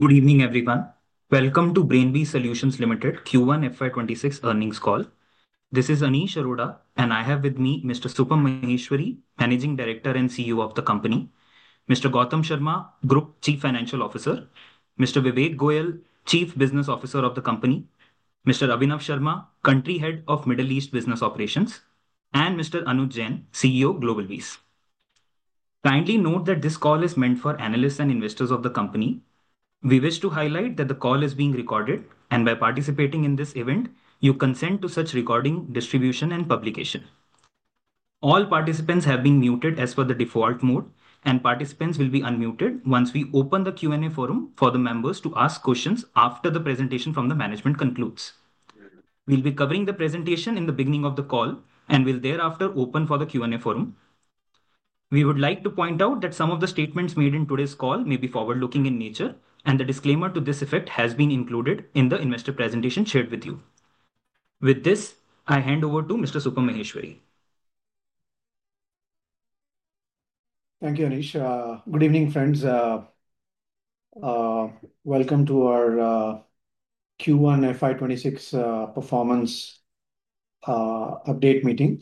Good evening everyone. Welcome to Brainbees Solutions Limited Q1 FY26 earnings call. This is Anish Arora, and I have with me Mr. Supam Maheshwari, Managing Director and CEO of the company, Mr. Gautam Sharma, Group Chief Financial Officer, Mr. Vivek Goel, Chief Business Officer of the company, Mr. Abhinav Sharma, Country Head of Middle East Business Operations, and Mr. Anuj Jain, CEO GlobalBees. Kindly note that this call is meant for analysts and investors of the company. We wish to highlight that the call is being recorded, and by participating in this event, you consent to such recording, distribution and publication. All participants have been muted as per the default mode, and participants will be unmuted once we open the Q&A forum for the members to ask questions after the presentation from the management concludes. We'll be covering the presentation in the beginning of the call and will thereafter open for the Q&A forum. We would like to point out that some of the statements made in today's call may be forward-looking in nature, and a disclaimer to this effect has been included in the investor presentation shared with you. With this, I hand over to Mr. Supam Maheshwari. Thank you Anish. Good evening friends. Welcome to our Q1 FY26 performance update meeting.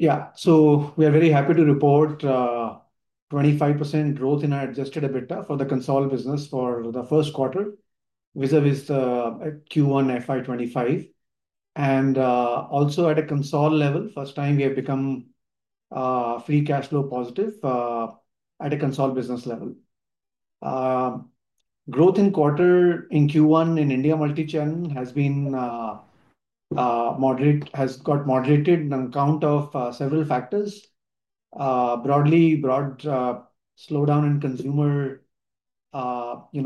We are very happy to report 25% growth in our adjusted EBITDA for the consolidated business for the first quarter, vis-à-vis Q1 FY25, and also at a consolidated level, for the first time we have become free cash flow positive at a consolidated business level. Growth in quarter in Q1 in India Multichain has been moderate, has got moderated on account of several factors. Broadly, broad slowdown in consumer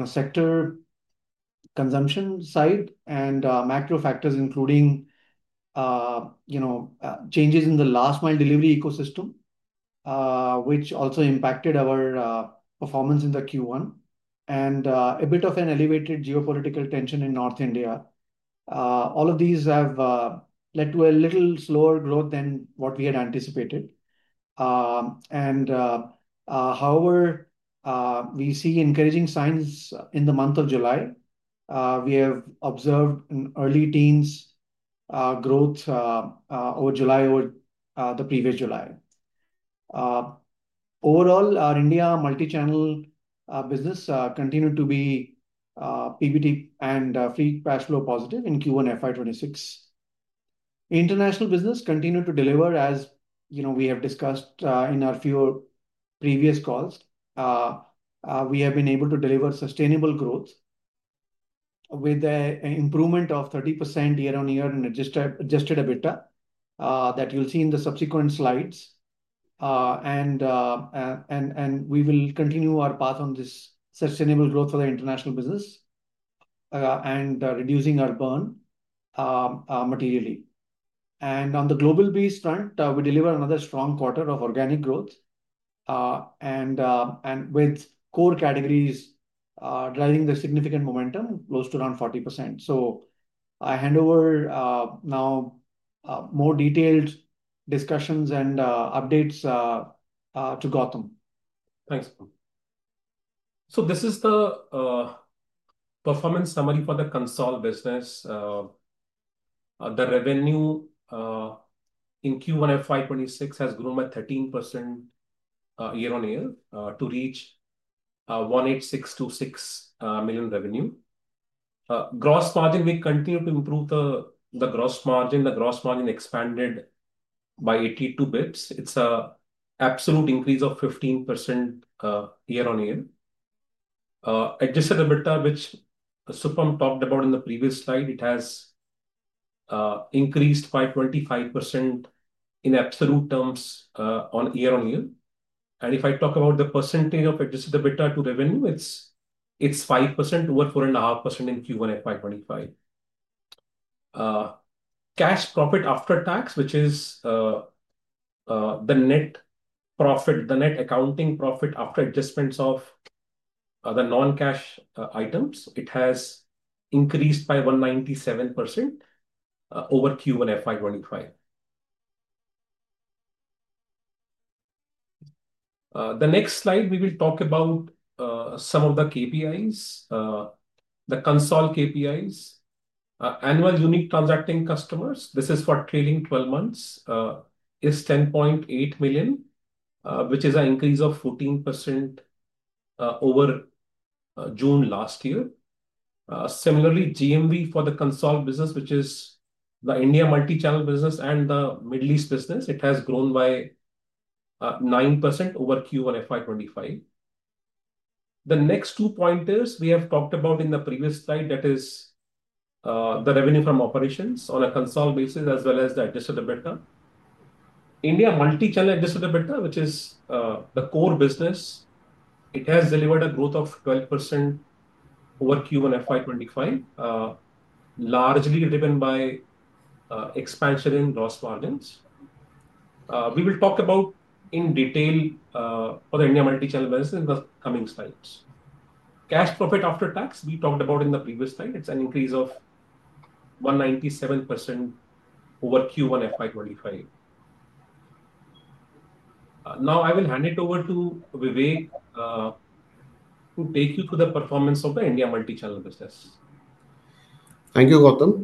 sector consumption side and macro factors including changes in the last-mile delivery ecosystem, which also impacted our performance in Q1, and a bit of an elevated geopolitical tension in North India. All of these have led to a little slower growth than what we had anticipated. However, we see encouraging signs in the month of July. We have observed an early teens growth over July, over the previous July. Overall, our India Multichain business continued to be PBT and free cash flow positive in Q1 FY26. International business continued to deliver as we have discussed in our few previous calls. We have been able to deliver sustainable growth with an improvement of 30% year-on-year in adjusted EBITDA that you'll see in the subsequent slides, and we will continue our path on this sustainable growth for the international business and reducing our burn materially. On the GlobalBees front, we deliver another strong quarter of organic growth with core categories driving the significant momentum close to around 40%. I hand over now more detailed discussions and updates to Gautam. Thanks Supam. This is the performance summary for the consolidation business. The revenue in Q1 FY26 has grown by 13% year-on-year to reach 1,862.6 million revenue. Gross margin, we continue to improve the gross margin. The gross margin expanded by 82 bps. It's an absolute increase of 15% year-on-year. Adjusted EBITDA, which Supam talked about in the previous slide, it has increased by 25% in absolute terms year-on-year. If I talk about the percentage of adjusted EBITDA to revenue, it's 5% over 4.5% in Q1 FY25. Cash profit after tax, which is the net profit, the net accounting profit after adjustments of the non-cash items, it has increased by 197% over Q1 FY25. The next slide, we will talk about some of the KPIs, the consolidation KPIs. Annual unique transacting customers, this is for trailing 12 months, is 10.8 million, which is an increase of 14% over June last year. Similarly, GMV for the consolidation business, which is the India Multichain business and the Middle East business, it has grown by 9% over Q1 FY25. The next two pointers we have talked about in the previous slide, that is the revenue from operations on a consolidation basis as well as the adjusted EBITDA. India Multichain adjusted EBITDA, which is the core business, it has delivered a growth of 12% over Q1 FY25, largely driven by expansion in gross margins. We will talk about in detail for the India Multichain business in the coming slides. Cash profit after tax, we talked about in the previous slide, it's an increase of 197% over Q1 FY25. Now I will hand it over to Vivek to take you to the performance of the India Multichain business. Thank you Gautam.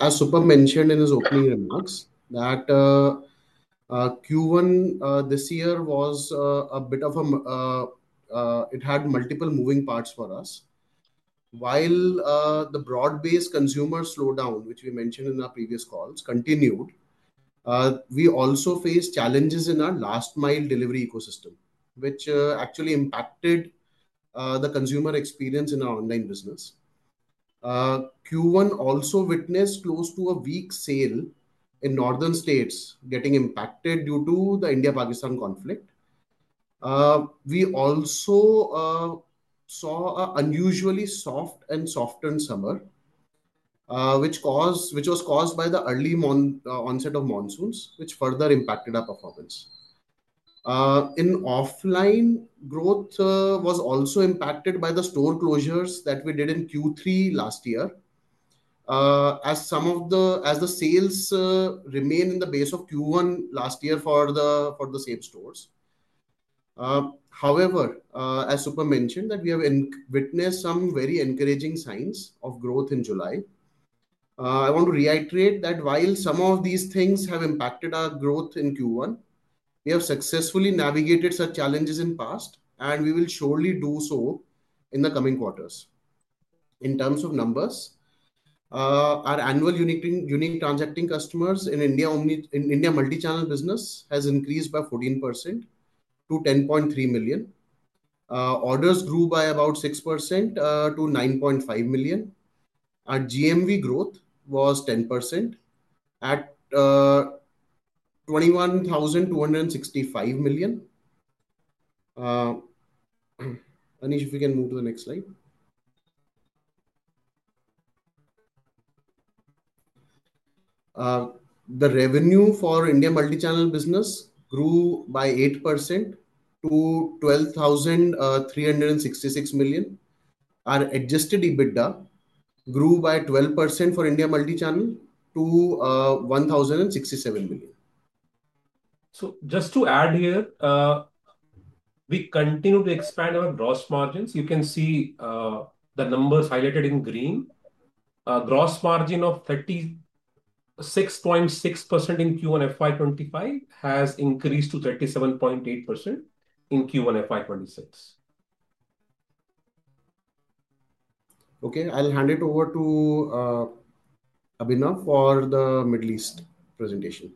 As Supam mentioned in his opening remarks, Q1 this year was a bit of a, it had multiple moving parts for us. While the broad-based consumer slowdown, which we mentioned in our previous calls, continued, we also faced challenges in our last-mile delivery ecosystem which actually impacted the consumer experience in our online business. Q1 also witnessed close to a week’s sale in northern states getting impacted due to the India-Pakistan conflict. We also saw an unusually soft and softened summer, which was caused by the early onset of monsoons, which further impacted our performance. In offline growth was also impacted by the store closures that we did in Q3 last year, as some of the sales remained in the base of Q1 last year for the same stores. However, as Supam mentioned, we have witnessed some very encouraging signs of growth in July. I want to reiterate that while some of these things have impacted our growth in Q1, we have successfully navigated such challenges in the past, and we will surely do so in the coming quarters. In terms of numbers, our annual unique transacting customers in India Multichain business has increased by 14% to 10.3 million. Orders grew by about 6% to 9.5 million. Our GMV growth was 10% at INR 21,265 million. Anish, if you can move to the next slide. The revenue for India Multichain business grew by 8% to 12,366 million. Our adjusted EBITDA grew by 12% for India Multichain to 1,067 million. Just to add here, we continue to expand our gross margins. You can see the numbers highlighted in green. Gross margin of 36.6% in Q1 FY25 has increased to 37.8% in Q1 FY26. I'll hand it over to Abhinav for the Middle East presentation.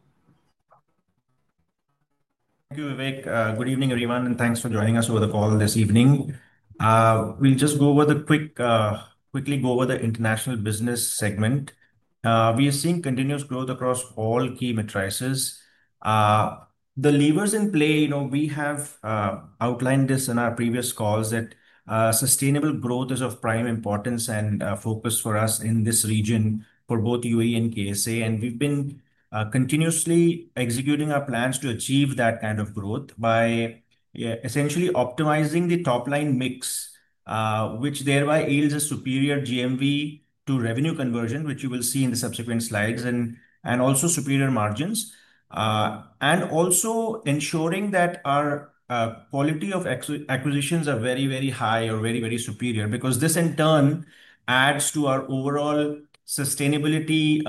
Thank you Vivek. Good evening everyone, and thanks for joining us over the call this evening. We'll quickly go over the international business segment. We are seeing continuous growth across all key metrics. The levers in play, you know, we have outlined this in our previous calls that sustainable growth is of prime importance and focus for us in this region for both UAE and KSA. We've been continuously executing our plans to achieve that kind of growth by essentially optimizing the top-line mix, which thereby yields a superior GMV to revenue conversion, which you will see in the subsequent slides, and also superior margins, and also ensuring that our quality of acquisitions are very, very high or very, very superior because this in turn adds to our overall sustainability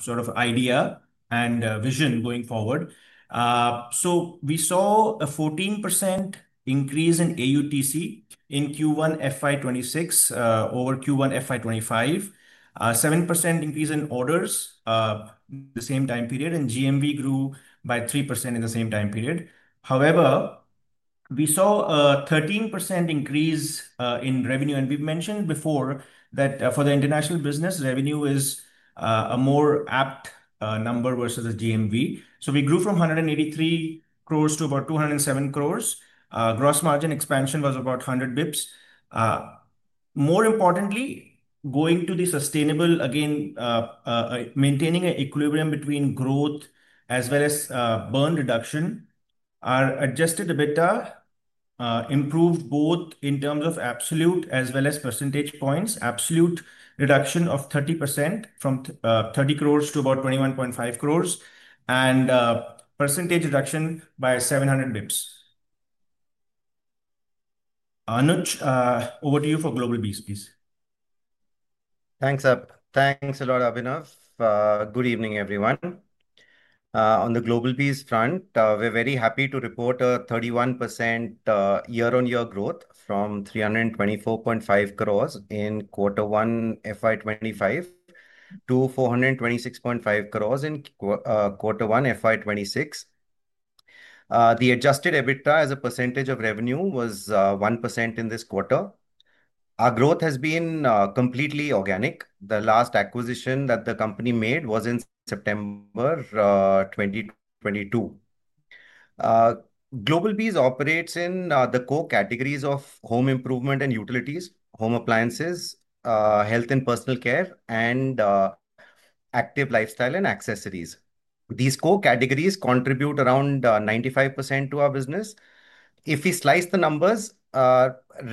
sort of idea and vision going forward. We saw a 14% increase in AUTC in Q1 FY26 over Q1 FY25, a 7% increase in orders in the same time period, and GMV grew by 3% in the same time period. However, we saw a 13% increase in revenue, and we've mentioned before that for the international business, revenue is a more apt number versus GMV. We grew from 183 crore to about 207 crore. Gross margin expansion was about 100 bps. More importantly, going to the sustainable, again, maintaining an equilibrium between growth as well as burn reduction, our adjusted EBITDA improved both in terms of absolute as well as percentage points. Absolute reduction of 30% from 30 crore to about 21.5 crore, and percentage reduction by 700 bps. Anuj, over to you for GlobalBees, please. Thanks a lot Abhinav. Good evening, everyone. On the GlobalBees front, we're very happy to report a 31% year-on-year growth from 324.5 crores in quarter one FY2025 to 426.5 crores in quarter one FY2026. The adjusted EBITDA as a percentage of revenue was 1% in this quarter. Our growth has been completely organic. The last acquisition that the company made was in September 2022. GlobalBees operates in the core categories of home improvement and utilities, home appliances, health and personal care, and active lifestyle and accessories. These core categories contribute around 95% to our business. If we slice the numbers,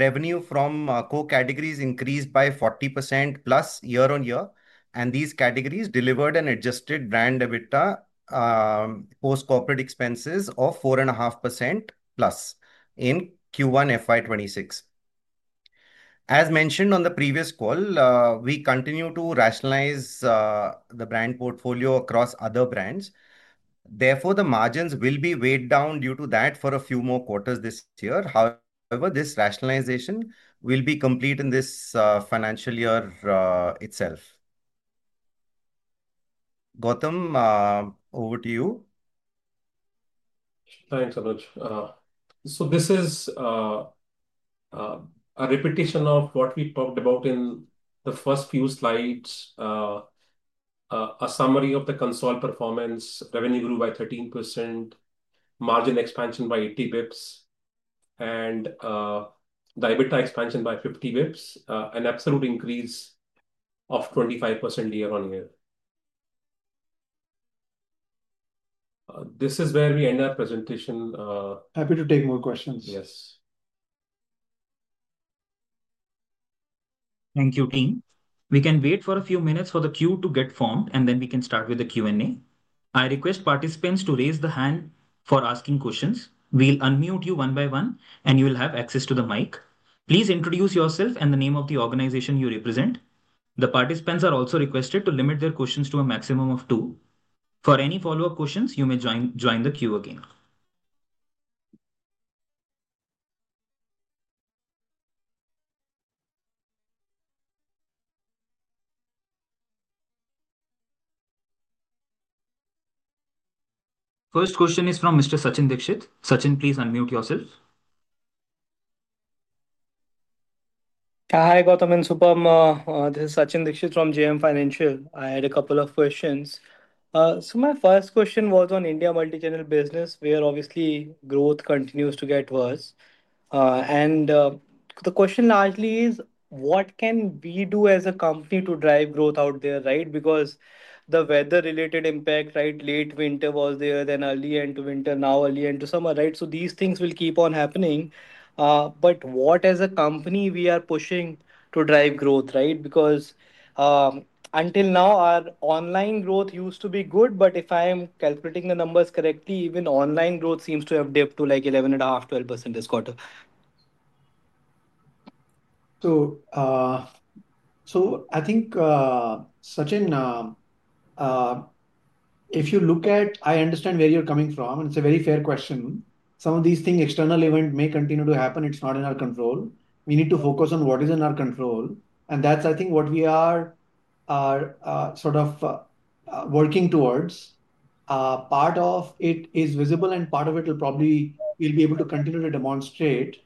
revenue from core categories increased by 40% plus year-on-year, and these categories delivered an adjusted brand EBITDA post-corporate expenses of 4.5% plus in Q1 FY2026. As mentioned on the previous call, we continue to rationalize the brand portfolio across other brands. Therefore, the margins will be weighed down due to that for a few more quarters this year. However, this rationalization will be complete in this financial year itself. Gautam, over to you. Thanks, Anuj. This is a repetition of what we talked about in the first few slides, a summary of the consolidation performance. Revenue grew by 13%, margin expansion by 80 bps, and the EBITDA expansion by 50 bps, an absolute increase of 25% year-on-year. This is where we end our presentation. Happy to take more questions. Yes. Thank you, team. We can wait for a few minutes for the queue to get formed, and then we can start with the Q&A. I request participants to raise the hand for asking questions. We'll unmute you one by one, and you'll have access to the mic. Please introduce yourself and the name of the organization you represent. The participants are also requested to limit their questions to a maximum of two. For any follow-up questions, you may join the queue again. First question is from Mr. Sachin Dixit. Sachin, please unmute yourself. Hi, Gautam and Supam. This is Sachin Dixit from JM Financial. I had a couple of questions. My first question was on India Multichain business. We are obviously, growth continues to get worse. The question largely is, what can we do as a company to drive growth out there, right? The weather-related impact, late winter was there, then early into winter, now early into summer, right? These things will keep on happening. What as a company we are pushing to drive growth, right? Until now, our online growth used to be good, but if I'm calculating the numbers correctly, even online growth seems to have dipped to like 11.5%, 12% this quarter. I think, Sachin, if you look at, I understand where you're coming from, and it's a very fair question. Some of these things, external events may continue to happen. It's not in our control. We need to focus on what is in our control. That's, I think, what we are sort of working towards. Part of it is visible, and part of it will probably, you'll be able to continue to demonstrate.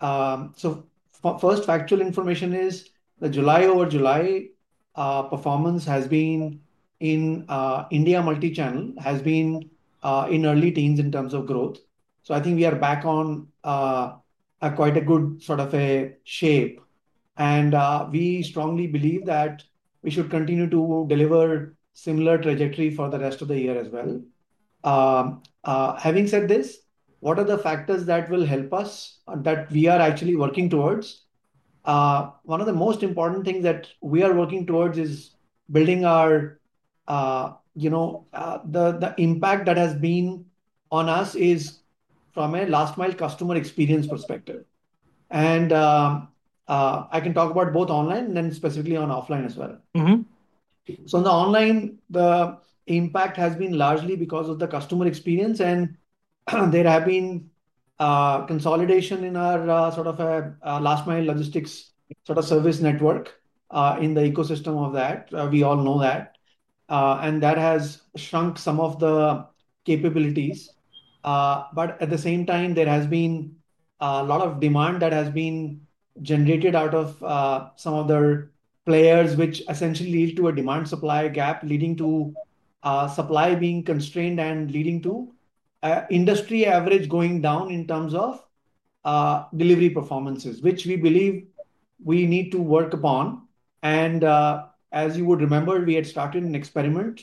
First factual information is the July-over-July performance has been in India Multichain has been in early teens in terms of growth. I think we are back on quite a good sort of shape. We strongly believe that we should continue to deliver a similar trajectory for the rest of the year as well. Having said this, what are the factors that will help us that we are actually working towards? One of the most important things that we are working towards is building our, you know, the impact that has been on us from a last-mile customer experience perspective. I can talk about both online and then specifically on offline as well. On the online, the impact has been largely because of the customer experience, and there has been consolidation in our sort of last-mile logistics sort of service network in the ecosystem of that. We all know that. That has shrunk some of the capabilities. At the same time, there has been a lot of demand that has been generated out of some of the players, which essentially lead to a demand-supply gap, leading to supply being constrained and leading to industry average going down in terms of delivery performances, which we believe we need to work upon. As you would remember, we had started an experiment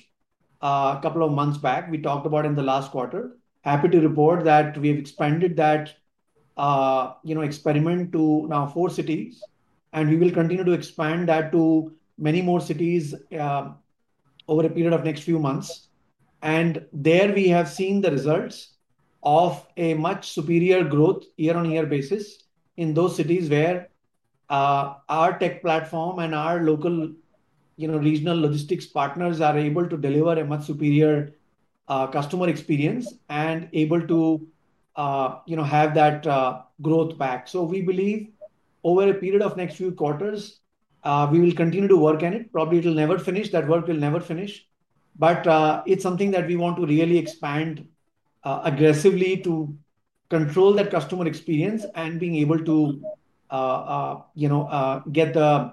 a couple of months back. We talked about it in the last quarter. Happy to report that we have expanded that experiment to now four cities, and we will continue to expand that to many more cities over a period of the next few months. There we have seen the results of a much superior growth year-on-year basis in those cities where our tech platform and our local, you know, regional logistics partners are able to deliver a much superior customer experience and able to have that growth back. We believe over a period of the next few quarters, we will continue to work on it. Probably it'll never finish, that work will never finish, but It's something that we want to really expand aggressively to control that customer experience and being able to get the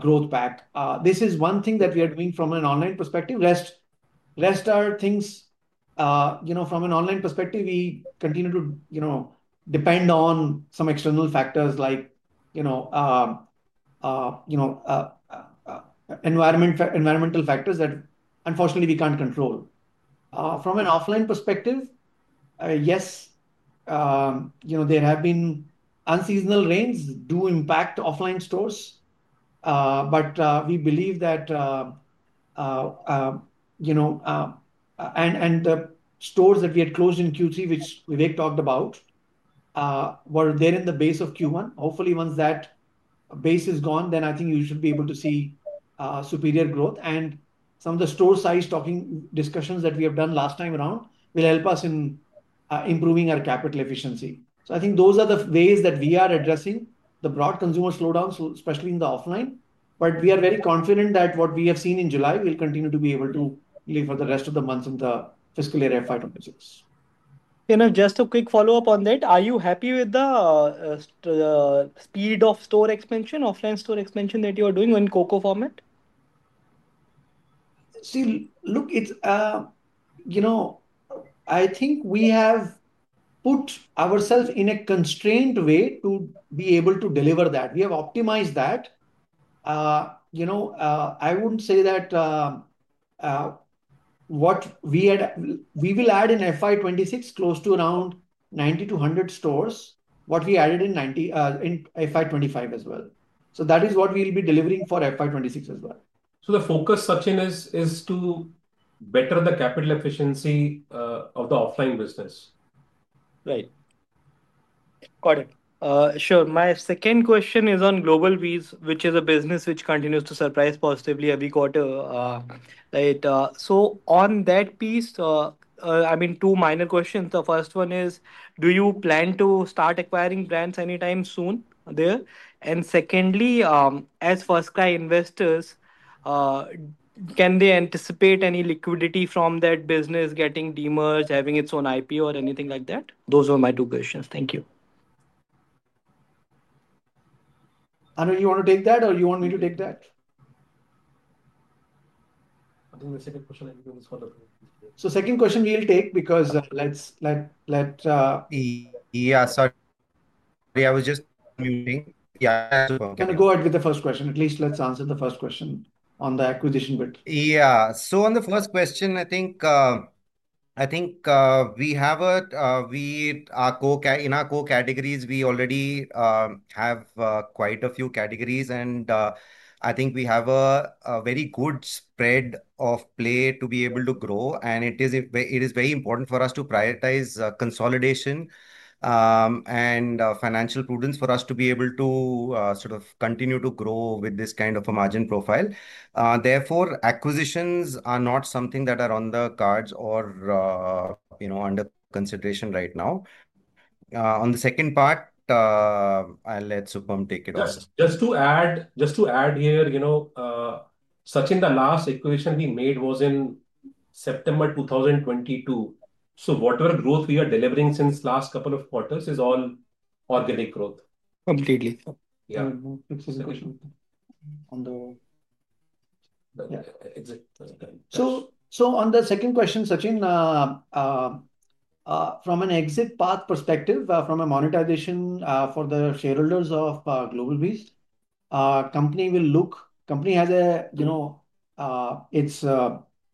growth back. This is one thing that we are doing from an online perspective. The rest are things, you know, from an online perspective, we continue to, you know, depend on some external factors like, you know, environmental factors that unfortunately we can't control. From an offline perspective, yes, you know, there have been unseasonal rains that do impact offline stores. We believe that, you know, and the stores that we had closed in Q3, which Vivek Goel talked about, were there in the base of Q1. Hopefully, once that base is gone, I think you should be able to see superior growth. Some of the store size talking discussions that we have done last time around will help us in improving our capital efficiency. I think those are the ways that we are addressing the broad consumer slowdowns, especially in the offline. We are very confident that what we have seen in July will continue to be able to live for the rest of the months in the fiscal year FY26. Can I just have a quick follow-up on that? Are you happy with the speed of store expansion, offline store expansion that you are doing on COCO format? See, look it's, you know, I think we have put ourselves in a constrained way to be able to deliver that. We have optimized that. I wouldn't say that what we had, we will add in FY26 close to around 90 to 100 stores, what we added in FY25 as well. That is what we'll be delivering for FY26 as well. The focus, Sachin, is to better the capital efficiency of the offline business. Right. Got it. Sure. My second question is on GlobalBees, which is a business which continues to surprise positively every quarter. On that piece, I mean, two minor questions. The first one is, do you plan to start acquiring brands anytime soon there? Secondly, as FirstCry investors, can they anticipate any liquidity from that business getting demerged, having its own IPO, or anything like that? Those are my two questions. Thank you. Anuj, you want to take that, or do you want me to take that? I think the second question is for the group. Second question we'll take because let's. Yeah, we are just moving. Can we go ahead with the first question? At least let's answer the first question on the acquisition bit. Yeah. On the first question, I think we are in our core categories, we already have quite a few categories, and I think we have a very good spread of play to be able to grow. It is very important for us to prioritize consolidation and financial prudence for us to be able to sort of continue to grow with this kind of a margin profile. Therefore, acquisitions are not something that are on the cards or under consideration right now. On the second part, I'll let Supam take it on. Just to add here, you know, Sachin, the last acquisition we made was in September 2022. Whatever growth we are delivering since the last couple of quarters is all organic growth. Completely. Yeah. On the second question, Sachin, from an exit path perspective, from a monetization for the shareholders of GlobalBees, the company will look, the company has its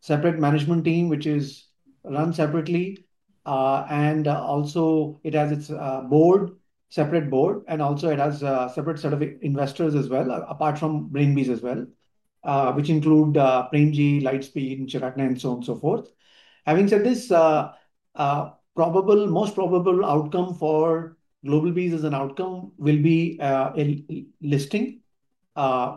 separate management team, which is run separately. It also has its board, separate board, and also it has a separate set of investors as well, apart from Brainbees as well, which include BrainG, Lightspeed, and Chiragna, and so on and so forth. Having said this, probable, most probable outcome for GlobalBees as an outcome will be a listing,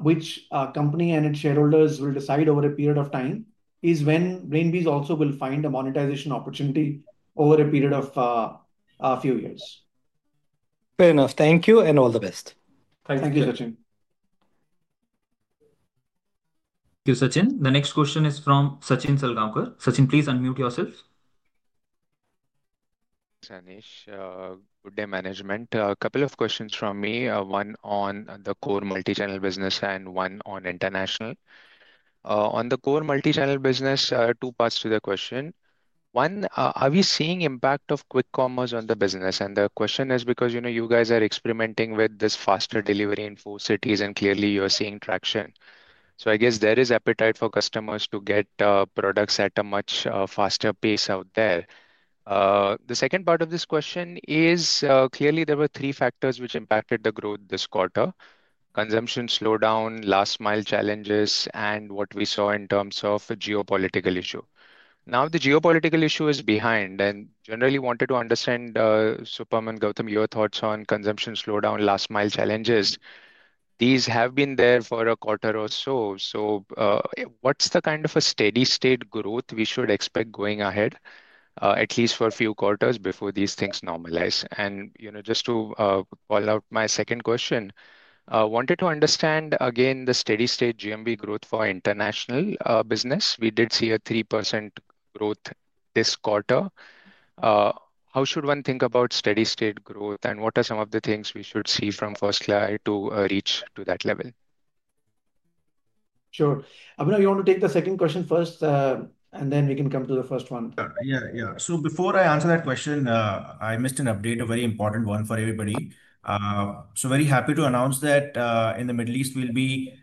which a company and its shareholders will decide over a period of time, is when Brainbees also will find a monetization opportunity over a period of a few years. Fair enough. Thank you and all the best. Thank you, Sachin. Thank you, Sachin. The next question is from Sachin Salgaonkar. Sachin, please unmute yourself. Thanks, Anish. Good day, management. A couple of questions from me, one on the core multichannel business and one on international. On the core multichannel business, two parts to the question. One, are we seeing the impact of quick commerce on the business? The question is because, you know, you guys are experimenting with this faster delivery in four cities, and clearly, you are seeing traction. I guess there is appetite for customers to get products at a much faster pace out there. The second part of this question is clearly there were three factors which impacted the growth this quarter: consumption slowdown, last-mile challenges, and what we saw in terms of a geopolitical issue. Now, the geopolitical issue is behind, and I generally wanted to understand, Supam and Gautam, your thoughts on consumption slowdown, last-mile challenges. These have been there for a quarter or so. What's the kind of a steady-state growth we should expect going ahead, at least for a few quarters before these things normalize? Just to call out my second question, I wanted to understand, again, the steady-state GMV growth for international business. We did see a 3% growth this quarter. How should one think about steady-state growth, and what are some of the things we should see from FirstCry to reach to that level? Sure. Abhinav, you want to take the second question first, and then we can come to the first one? Yeah, yeah. Before I answer that question, I missed an update, a very important one for everybody. Very happy to announce that in the Middle East, we'll be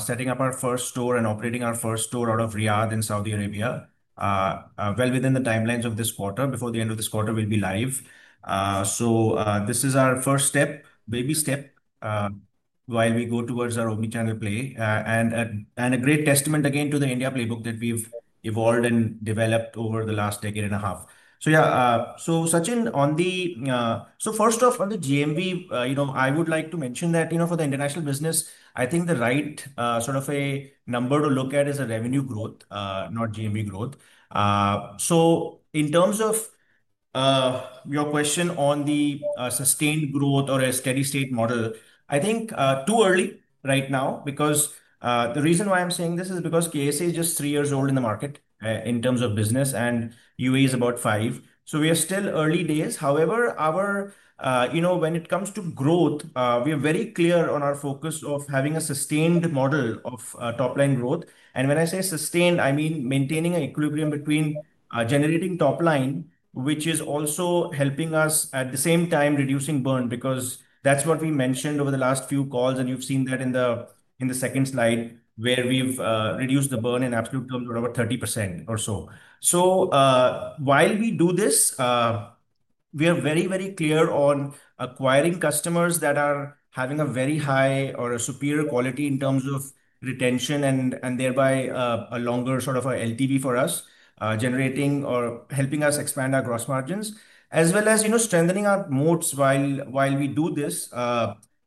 setting up our first store and operating our first store out of Riyadh in Saudi Arabia, well within the timelines of this quarter. Before the end of this quarter, we'll be live. This is our first step, baby step, while we go towards our omnichannel play, and a great testament again to the India playbook that we've evolved and developed over the last decade and a half. Sachin, first off, on the GMV, I would like to mention that for the international business, I think the right sort of a number to look at is revenue growth, not GMV growth. In terms of your question on the sustained growth or a steady-state model, I think too early right now because the reason why I'm saying this is because KSA is just three years old in the market in terms of business, and UAE is about five. We are still early days. However, when it comes to growth, we are very clear on our focus of having a sustained model of top-line growth. When I say sustained, I mean maintaining an equilibrium between generating top-line, which is also helping us at the same time reducing burn because that's what we mentioned over the last few calls, and you've seen that in the second slide where we've reduced the burn in absolute terms of about 30% or so. While we do this, we are very, very clear on acquiring customers that are having a very high or a superior quality in terms of retention and thereby a longer sort of LTV for us generating or helping us expand our gross margins, as well as strengthening our moats while we do this.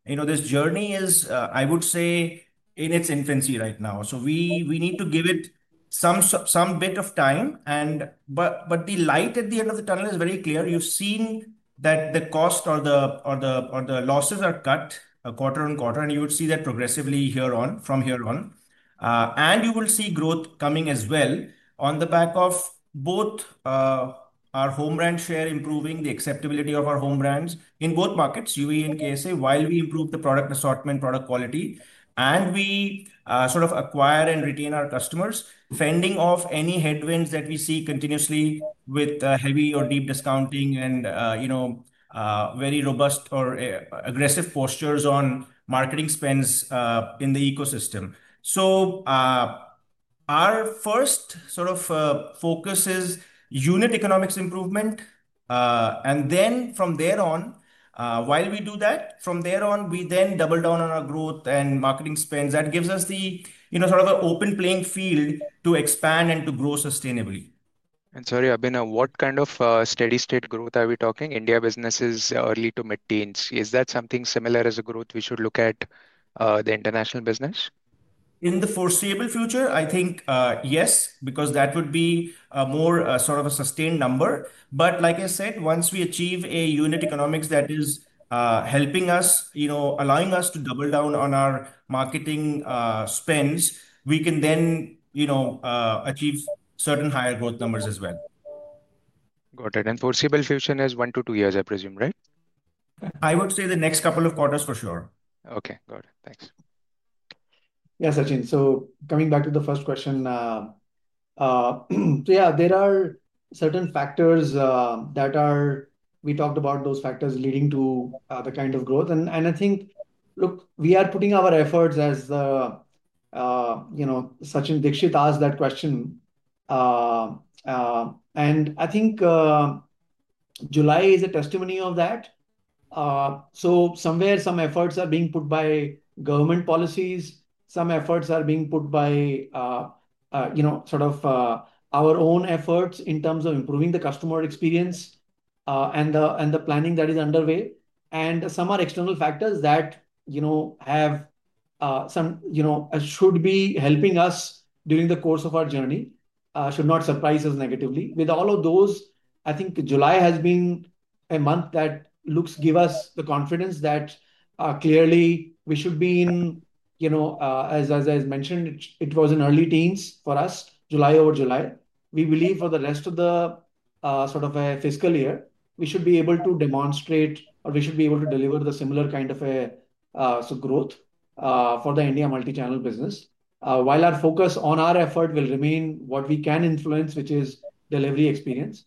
This journey is, I would say, in its infancy right now. We need to give it some bit of time, but the light at the end of the tunnel is very clear. You've seen that the cost or the losses are cut quarter on quarter, and you would see that progressively from here on. You will see growth coming as well on the back of both our home brand share improving, the acceptability of our home brands in both markets, UAE and KSA, while we improve the product assortment, product quality, and we sort of acquire and retain our customers, fending off any headwinds that we see continuously with heavy or deep discounting and very robust or aggressive postures on marketing spends in the ecosystem. Our first sort of focus is unit economics improvement. From there on, while we do that, we then double down on our growth and marketing spends. That gives us the, you know, sort of an open playing field to expand and to grow sustainably. Sorry, Abhinav, what kind of steady-state growth are we talking? India business is early to mid-teens. Is that something similar as a growth we should look at the international business? In the foreseeable future, I think yes, because that would be a more sort of a sustained number. Like I said, once we achieve a unit economics that is helping us, you know, allowing us to double down on our marketing spends, we can then, you know, achieve certain higher growth numbers as well. Got it. Foreseeable future is one to two years, I presume, right? I would say the next couple of quarters for sure. Okay. Got it. Thanks. Yes, Sachin. Coming back to the first question, there are certain factors that are, we talked about those factors leading to the kind of growth. I think, look, we are putting our efforts as the, you know, Sachin Dixit asked that question. I think July is a testimony of that. Somewhere, some efforts are being put by government policies. Some efforts are being put by, you know, sort of our own efforts in terms of improving the customer experience and the planning that is underway. Some are external factors that, you know, have, you know, should be helping us during the course of our journey, should not surprise us negatively. With all of those, I think July has been a month that looks to give us the confidence that clearly we should be in, you know, as I mentioned, it was in early teens for us, July over July. We believe for the rest of the sort of a fiscal year, we should be able to demonstrate or we should be able to deliver the similar kind of a growth for the India multichannel business. While our focus on our effort will remain what we can influence, which is delivery experience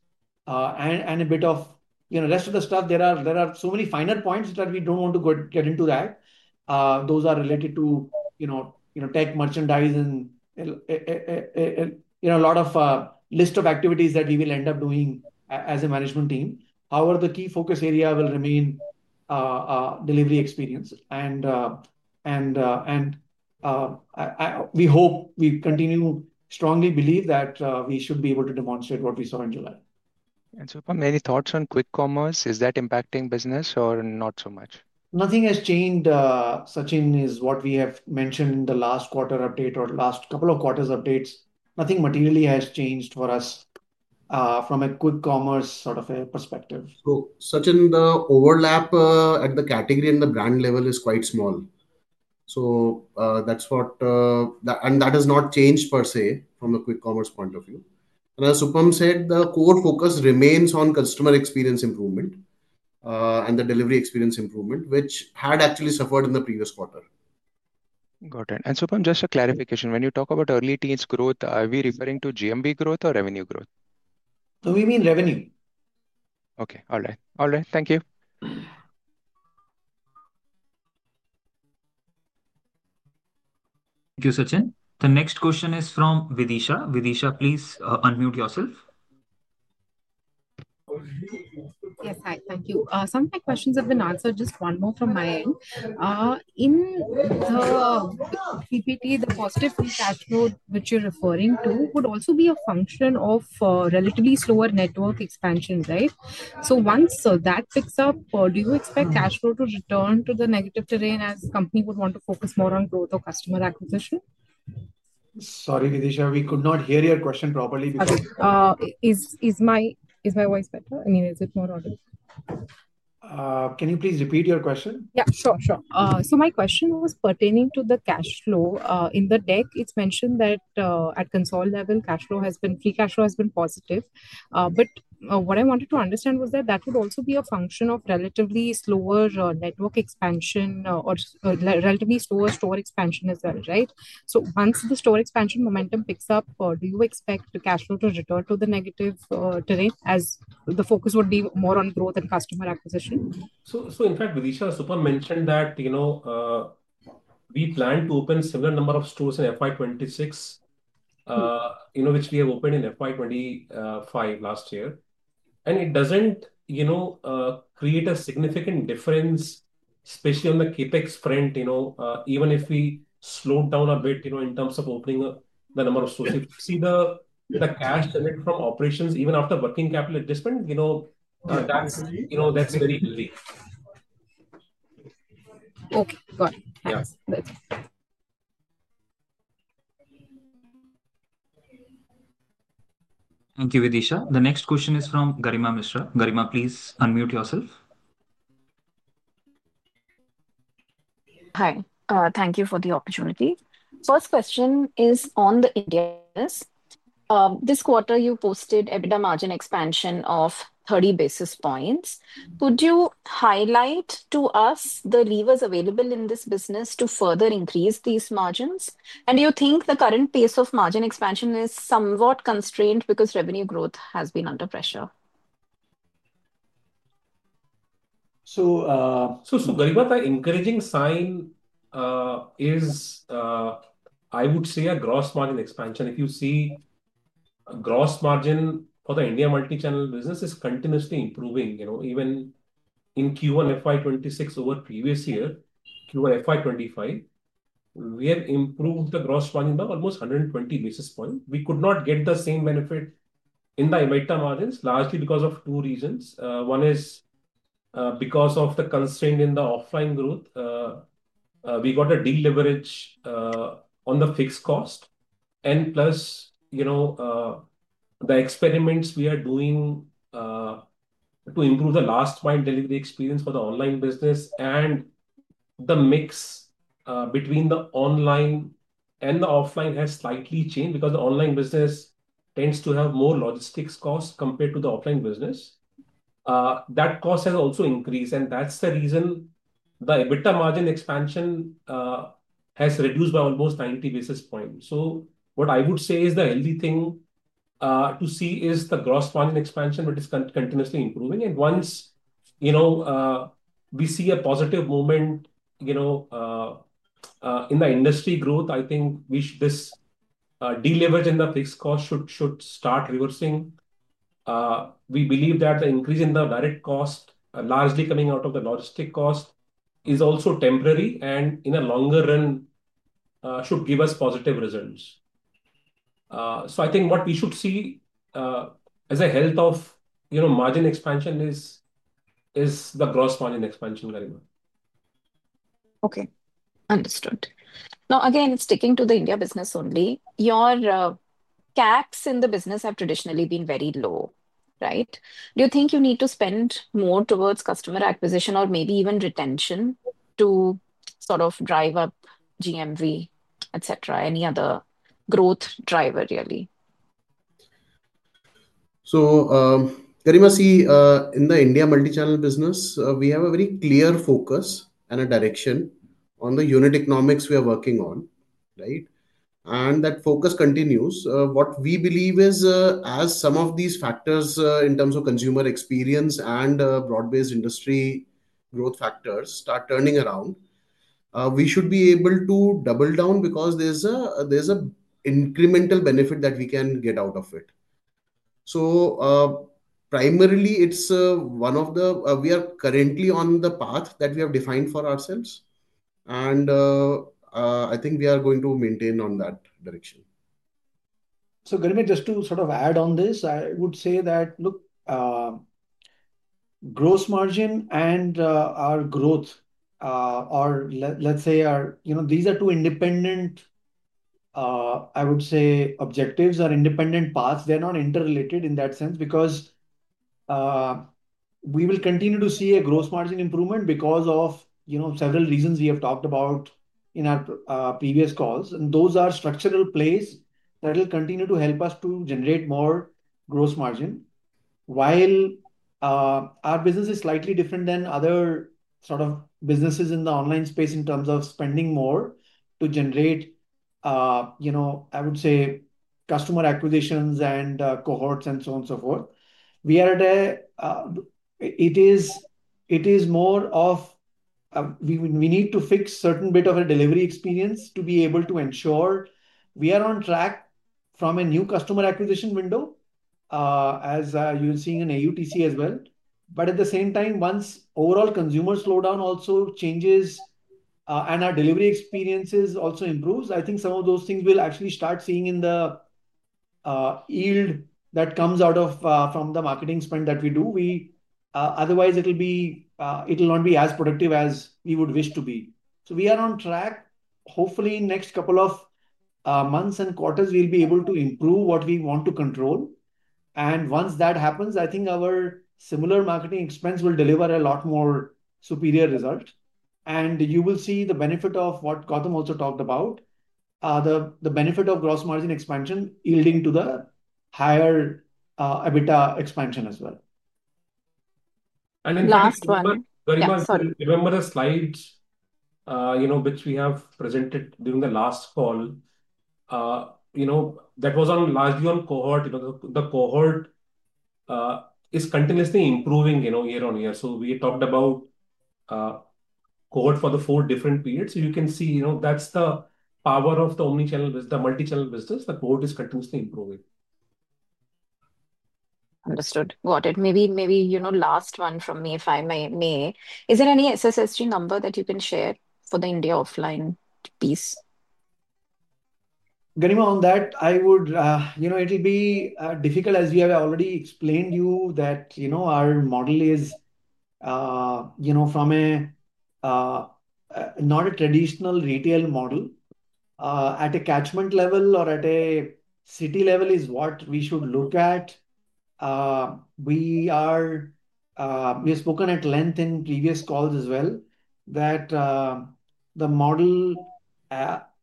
and a bit of, you know, the rest of the stuff, there are so many finer points that we don't want to get into that. Those are related to, you know, tech merchandise and, you know, a lot of list of activities that we will end up doing as a management team. However, the key focus area will remain delivery experience. We hope we continue to strongly believe that we should be able to demonstrate what we saw in July. Supam, any thoughts on quick commerce? Is that impacting business or not so much? Nothing has changed, Sachin, is what we have mentioned in the last quarter update or the last couple of quarters updates. Nothing materially has changed for us from a quick commerce sort of a perspective. Sachin, the overlap at the category and the brand level is quite small. That has not changed per se from a quick commerce point of view. As Supam said, the core focus remains on customer experience improvement and the delivery experience improvement, which had actually suffered in the previous quarter. Got it. Supam, just a clarification. When you talk about early teens growth, are we referring to GMV growth or revenue growth? We mean revenue. Okay, alright. Thank you. Thank you, Sachin. The next question is from Vidisha. Vidisha, please unmute yourself. Yes, hi. Thank you. Some of my questions have been answered. Just one more from my end. In the PPT, the positive free cash flow which you're referring to would also be a function of relatively slower network expansion, right? Once that picks up, do you expect cash flow to return to the negative terrain as the company would want to focus more on growth or customer acquisition? Sorry, Vidisha, we could not hear your question properly. Is my voice better? I mean, is it more? Can you please repeat your question? Yeah, sure. My question was pertaining to the cash flow. In the deck, it's mentioned that at consolidation level, cash flow has been free cash flow positive. What I wanted to understand was that that would also be a function of relatively slower network expansion or relatively slower store expansion as well, right? Once the store expansion momentum picks up, do you expect the cash flow to return to the negative terrain as the focus would be more on growth and customer acquisition? In fact, Vidisha, Supam mentioned that we plan to open a similar number of stores in FY26, which we have opened in FY25 last year. It doesn't create a significant difference, especially on the CapEx front, even if we slowed down a bit in terms of opening the number of stores. You see the cash generated from operations, even after working capital at this point, that's very easy. Thank you, Vidisha. The next question is from Garima Mishra. Garima, please unmute yourself. Hi. Thank you for the opportunity. First question is on the India business. This quarter, you posted EBITDA margin expansion of 30 basis points. Could you highlight to us the levers available in this business to further increase these margins? Do you think the current pace of margin expansion is somewhat constrained because revenue growth has been under pressure? The encouraging sign is, I would say, a gross margin expansion. If you see, gross margin for the India multichannel business is continuously improving. Even in Q1 FY26 over the previous year, Q1 FY25, we have improved the gross margin by almost 120 basis points. We could not get the same benefit in the EBITDA margins largely because of two reasons. One is because of the constraint in the offline growth. We got a de-leverage on the fixed cost. Plus, the experiments we are doing to improve the last-mile delivery experience for the online business and the mix between the online and the offline has slightly changed because the online business tends to have more logistics costs compared to the offline business. That cost has also increased, and that's the reason the EBITDA margin expansion has reduced by almost 90 basis points. What I would say is the healthy thing to see is the gross margin expansion, which is continuously improving. Once we see a positive moment in the industry growth, I think this de-leveraging the fixed cost should start reversing. We believe that the increase in the varied cost, largely coming out of the logistic cost, is also temporary and in the longer run should give us positive results. I think what we should see as a health of margin expansion is the gross margin expansion very well. Okay. Understood. Now, again, sticking to the India business only, your CACs in the business have traditionally been very low, right? Do you think you need to spend more towards customer acquisition or maybe even retention to sort of drive up GMV, etc.? Any other growth driver, really? Garima, in the India multichannel business, we have a very clear focus and a direction on the unit economics we are working on, right? That focus continues. What we believe is, as some of these factors in terms of consumer experience and broad-based industry growth factors start turning around, we should be able to double down because there's an incremental benefit that we can get out of it. Primarily, we are currently on the path that we have defined for ourselves and I think we are going to maintain on that direction. Garima, just to sort of add on this, I would say that, look, gross margin and our growth, or let's say, these are two independent, I would say, objectives or independent paths. They're not interrelated in that sense because we will continue to see a gross margin improvement because of several reasons we have talked about in our previous calls. Those are structural plays that will continue to help us to generate more gross margin. While our business is slightly different than other businesses in the online space in terms of spending more to generate, you know, customer acquisitions and cohorts and so on and so forth, we are at a, it is more of, we need to fix a certain bit of a delivery experience to be able to ensure we are on track from a new customer acquisition window, as you're seeing in AUTC as well. At the same time, once overall consumer slowdown also changes and our delivery experiences also improve, I think some of those things we'll actually start seeing in the yield that comes out of the marketing spend that we do. Otherwise, it'll not be as productive as we would wish to be. We are on track. Hopefully, in the next couple of months and quarters, we'll be able to improve what we want to control. Once that happens, I think our similar marketing expense will deliver a lot more superior result. You will see the benefit of what Gautam also talked about, the benefit of gross margin expansion yielding to the higher EBITDA expansion as well. The last one. Remember the slides, you know, which we have presented during the last call? You know, that was largely on cohort. You know, the cohort is continuously improving, you know, year on year. We talked about cohort for the four different periods. You can see, you know, that's the power of the omnichannel business, the multichannel business. The cohort is continuously improving. Understood. Got it. Maybe, you know, last one from me, if I may. Is there any SSSG number that you can share for the India offline piece? Garima, on that, I would, you know, it'll be difficult as we have already explained to you that, you know, our model is, you know, not a traditional retail model. At a catchment level or at a city level is what we should look at. We have spoken at length in previous calls as well that the model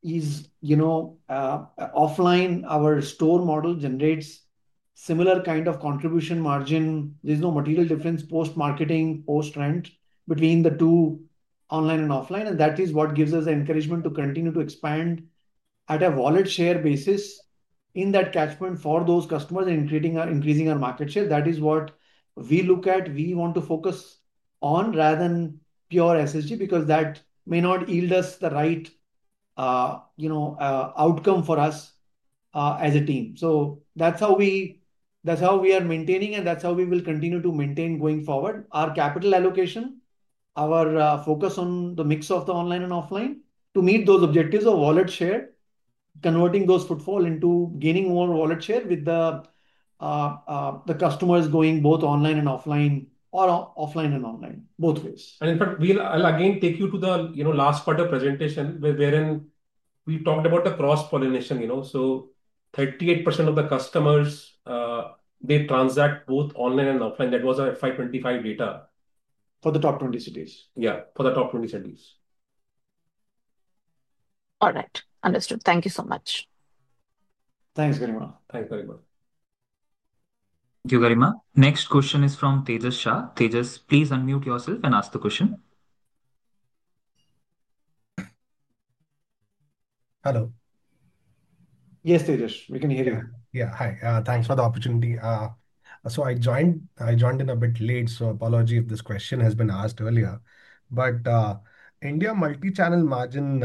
is, you know, offline, our store model generates a similar kind of contribution margin. There's no material difference post-marketing, post-rent between the two, online and offline. That is what gives us the encouragement to continue to expand at a wallet share basis in that catchment for those customers and increasing our market share. That is what we look at, we want to focus on rather than pure SSG because that may not yield us the right outcome for us as a team. That's how we are maintaining, and that's how we will continue to maintain going forward our capital allocation, our focus on the mix of the online and offline to meet those objectives of wallet share, converting those footfall into gaining more wallet share with the customers going both online and offline, or offline and online, both ways. In fact, I'll take you to the last part of the presentation wherein we talked about the cross-pollination. 38% of the customers transact both online and offline. That was our FY25 data... For the top 20 cities. Yeah, for the top 20 cities. All right. Understood. Thank you so much. Thanks, Garima. Thanks very much. Thank you, Garima. Next question is from Tejas Shah. Tejas, please unmute yourself and ask the question. Hello? Yes, Tejas, we can hear you. Yeah. Hi. Thanks for the opportunity. I joined in a bit late, so apologies if this question has been asked earlier. India multichannel margin,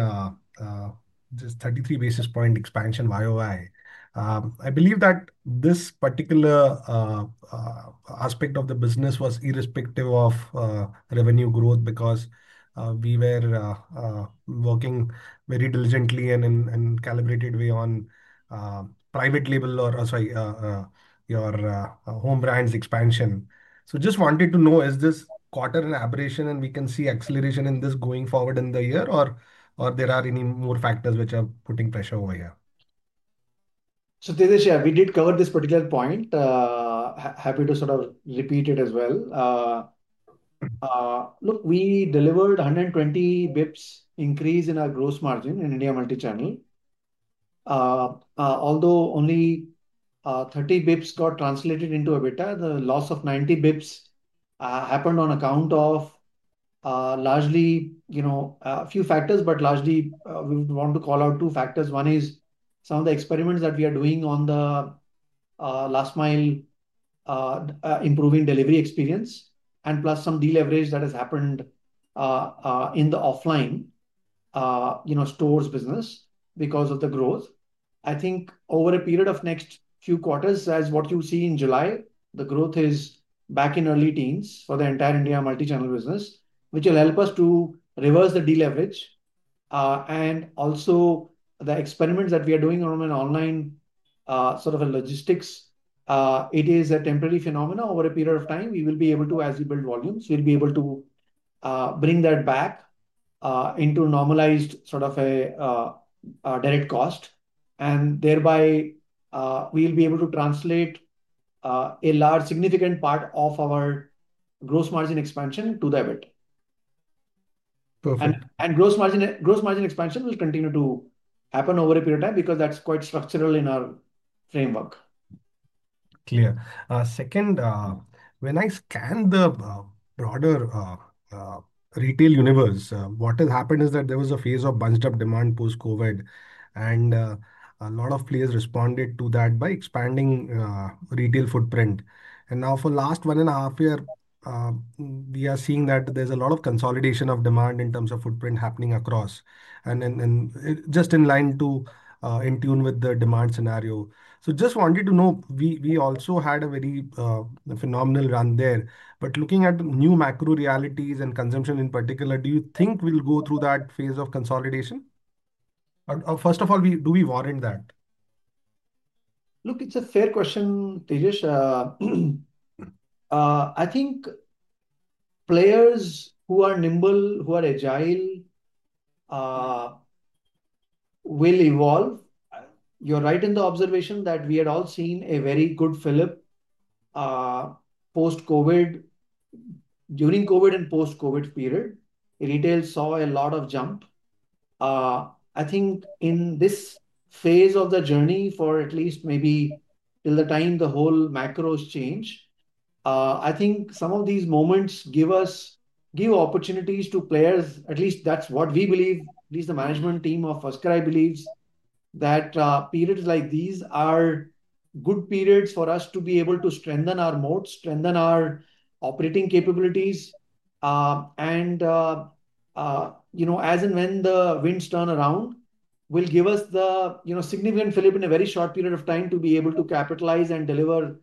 just 33 basis point expansion year over year. I believe that this particular aspect of the business was irrespective of revenue growth because we were working very diligently and in a calibrated way on private label, or sorry, your home brands expansion. I just wanted to know, is this quarter an aberration and can we see acceleration in this going forward in the year, or are there any more factors which are putting pressure over here? Tejas, yeah, we did cover this particular point. Happy to sort of repeat it as well. Look, we delivered 120 bps increase in our gross margin in India multichannel. Although only 30 bps got translated into EBITDA, the loss of 90 bps happened on account of largely, you know, a few factors, but largely, we want to call out two factors. One is some of the experiments that we are doing on the last-mile improving delivery experience, and plus some de-leverage that has happened in the offline stores business because of the growth. I think over a period of the next few quarters, as what you see in July, the growth is back in early teens for the entire India multichannel business, which will help us to reverse the de-leverage. Also, the experiments that we are doing on an online sort of a logistics, it is a temporary phenomenon. Over a period of time, we will be able to, as we build volumes, bring that back into normalized sort of a direct cost. Thereby, we will be able to translate a large significant part of our gross margin expansion to the EBITDA. Gross margin expansion will continue to happen over a period of time because that's quite structural in our framework. Clear. Second, when I scanned the broader retail universe, what has happened is that there was a phase of bunched-up demand post-COVID, and a lot of players responded to that by expanding retail footprint. Now, for the last one and a half year, we are seeing that there's a lot of consolidation of demand in terms of footprint happening across, just in line to in tune with the demand scenario. I just wanted to know, we also had a very phenomenal run there. Looking at the new macro realities and consumption in particular, do you think we'll go through that phase of consolidation? First of all, do we warrant that? Look, it's a fair question, Tejas. I think players who are nimble, who are agile will evolve. You're right in the observation that we had all seen a very good flip post-COVID, during COVID and post-COVID period. Retail saw a lot of jump. I think in this phase of the journey for at least maybe till the time the whole macros change, I think some of these moments give us, give opportunities to players. At least that's what we believe, at least the management team of FirstCry believes that periods like these are good periods for us to be able to strengthen our moats, strengthen our operating capabilities. As and when the winds turn around, will give us the significant flip in a very short period of time to be able to capitalize and deliver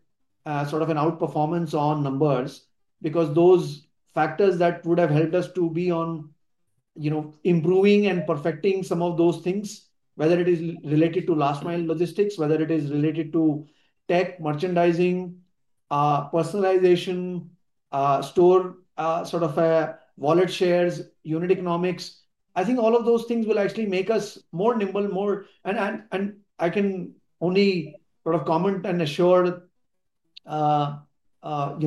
sort of an outperformance on numbers because those factors that would have helped us to be on improving and perfecting some of those things, whether it is related to last-mile logistics, whether it is related to tech, merchandising, personalization, store sort of wallet shares, unit economics. I think all of those things will actually make us more nimble, more, and I can only sort of comment and assure, you know,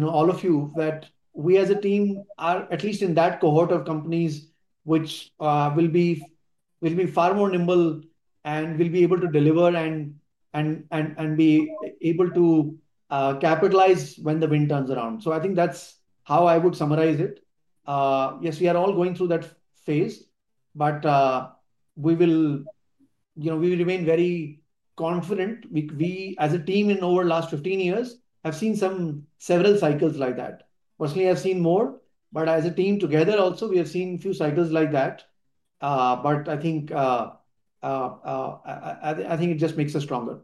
all of you that we as a team are at least in that cohort of companies which will be far more nimble and will be able to deliver and be able to capitalize when the wind turns around. I think that's how I would summarize it. Yes, we are all going through that phase, but we will, you know, we remain very confident. We as a team in the over the last 15 years have seen some several cycles like that. Personally, I've seen more, but as a team together also, we have seen a few cycles like that. I think it just makes us stronger.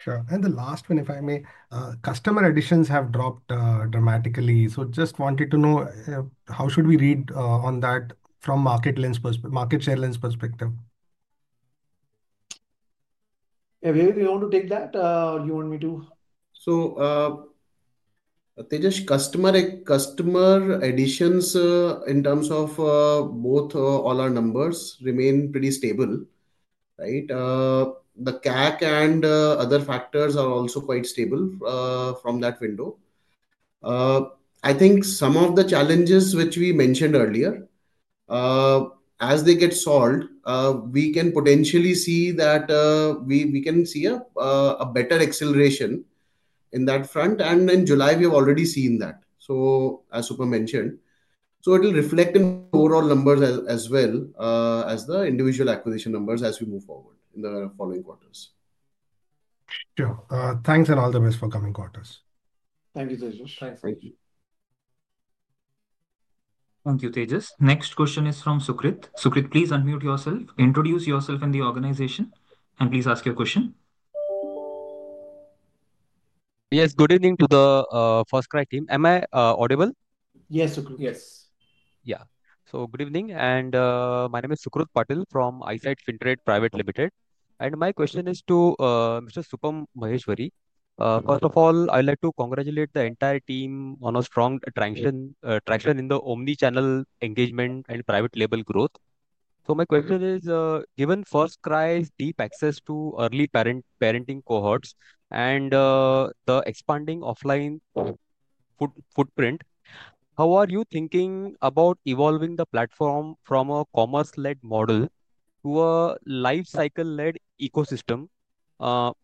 Sure. The last one, if I may, customer additions have dropped dramatically. Just wanted to know, how should we read on that from a market share lens perspective? Yeah, Vivek, do you want to take that or do you want me to? Tejas, customer additions in terms of both all our numbers remain pretty stable, right? The CAC and other factors are also quite stable from that window. I think some of the challenges which we mentioned earlier, as they get solved, we can potentially see that we can see a better acceleration in that front. In July, we have already seen that. As Supam mentioned, it'll reflect in overall numbers as well as the individual acquisition numbers as we move forward in the following quarters. Sure, thanks and all the best for the coming quarters. Thank you, Tejas. Thanks. Thank you. Thank you, Tejas. Next question is from Sucrit. Sucrit, please unmute yourself, introduce yourself and the organization, and please ask your question. Yes, good evening to the FirstCry team. Am I audible? Yes, Sucrit. Yes. Yeah. Good evening. My name is Sucrit Patil from Eyesight FinTrade Private Limited. My question is to Mr. Supam Maheshwari. First of all, I'd like to congratulate the entire team on a strong traction in the omnichannel engagement and private label growth. My question is, given FirstCry's deep access to early parenting cohorts and the expanding offline footprint, how are you thinking about evolving the platform from a commerce-led model to a lifecycle-led ecosystem,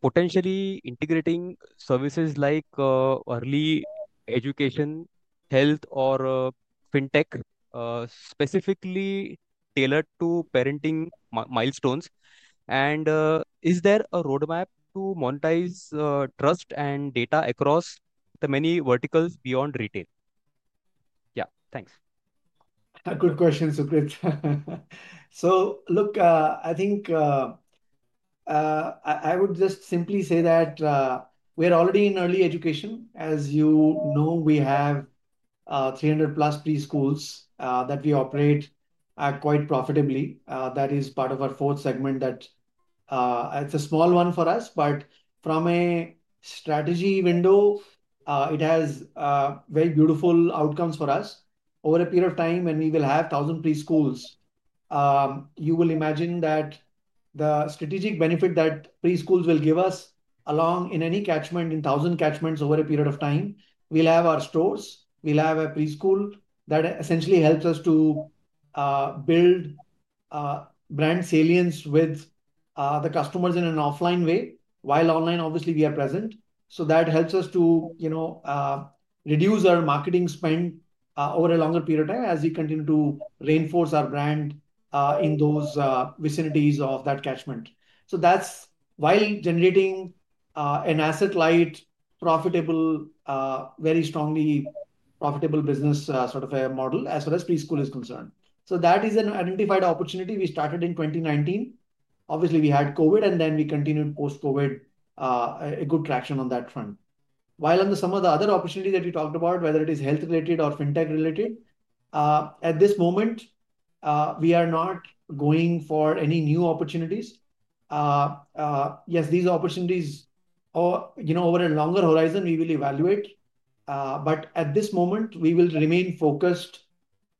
potentially integrating services like early education, health, or fintech, specifically tailored to parenting milestones? Is there a roadmap to monetize trust and data across the many verticals beyond retail? Yeah, thanks. Good question, Sucrit. I think I would just simply say that we're already in early education. As you know, we have 300-plus preschools that we operate quite profitably. That is part of our fourth segment, and it's a small one for us. From a strategy window, it has very beautiful outcomes for us. Over a period of time, when we will have 1,000 preschools, you will imagine that the strategic benefit that preschools will give us along in any catchment, in 1,000 catchments over a period of time, we'll have our stores. We'll have a preschool that essentially helps us to build brand salience with the customers in an offline way while online, obviously, we are present. That helps us to reduce our marketing spend over a longer period of time as we continue to reinforce our brand in those vicinities of that catchment. That's while generating an asset-light, profitable, very strongly profitable business sort of a model as far as preschool is concerned. That is an identified opportunity. We started in 2019. Obviously, we had COVID, and then we continued post-COVID a good traction on that front. While on some of the other opportunities that we talked about, whether it is health-related or fintech-related, at this moment, we are not going for any new opportunities. Yes, these opportunities, over a longer horizon, we will evaluate. At this moment, we will remain focused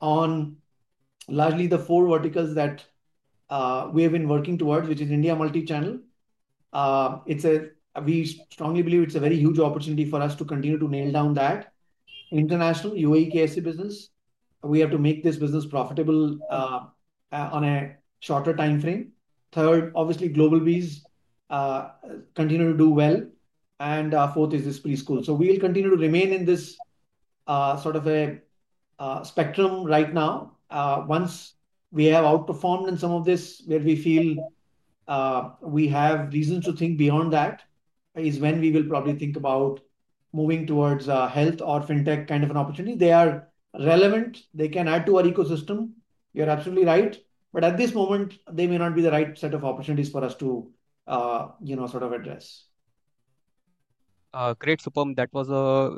on largely the four verticals that we have been working towards, which is India multichannel. We strongly believe it's a very huge opportunity for us to continue to nail down that international UAE KSA business. We have to make this business profitable on a shorter time frame, third, GlobalBees continues to do well and fourth is this preschool. We'll continue to remain in this sort of a spectrum right now. Once we have outperformed in some of this where we feel we have reasons to think beyond, that is when we will probably think about moving towards a health or fintech kind of an opportunity. They are relevant, they can add to our ecosystem. You're absolutely right but at this moment, they may not be the right set of opportunities for us to address. Great, Supam. That was a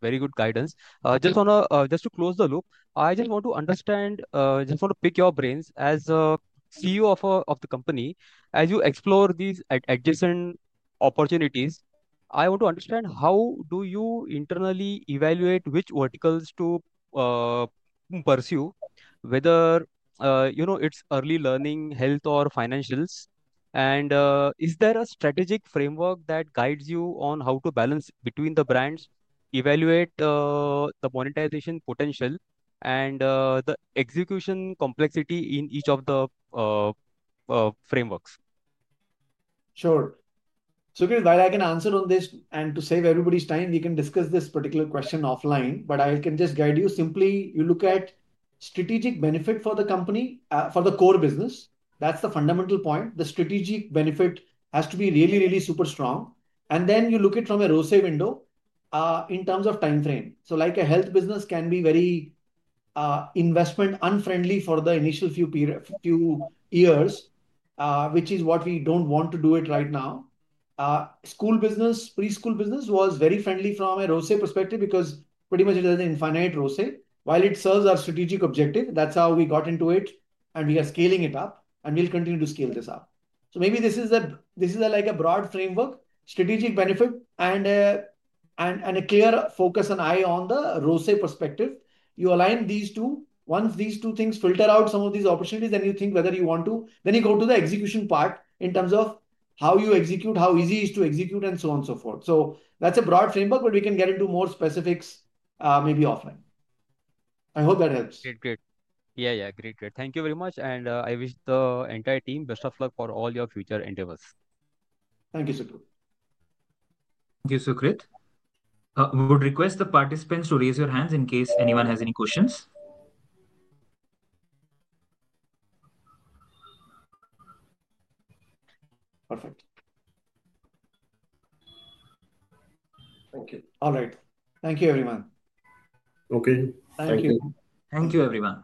very good guidance. Just to close the loop, I just want to understand, I want to pick your brains as CEO of the company. As you explore these adjacent opportunities, I want to understand how do you internally evaluate which verticals to pursue, whether it's early learning, health, or financials? Is there a strategic framework that guides you on how to balance between the brands, evaluate the monetization potential, and the execution complexity in each of the frameworks? Sure. Sucrit, while I can answer on this and to save everybody's time, we can discuss this particular question offline. I can just guide you. Simply, you look at strategic benefit for the company for the core business. That's the fundamental point. The strategic benefit has to be really, really super strong. You look at it from a ROSA window in terms of time frame. A health business can be very investment-unfriendly for the initial few years, which is what we don't want to do right now. School business, preschool business was very friendly from a ROSA perspective because pretty much it is an infinite ROSA. While it serves our strategic objective, that's how we got into it, and we are scaling it up, and we'll continue to scale this up. This is a broad framework, strategic benefit, and a clear focus and eye on the ROSA perspective. You align these two. Once these two things filter out some of these opportunities, you think whether you want to. You go to the execution part in terms of how you execute, how easy it is to execute, and so on and so forth. That's a broad framework, but we can get into more specifics maybe offline. I hope that helps. Great, great. Thank you very much. I wish the entire team best of luck for all your future endeavors. Thank you, Sukrit. Thank you, Sucrit. We would request the participants to raise your hands in case anyone has any questions. Perfect. All right. Thank you, everyone. Okay. Thank you, everyone.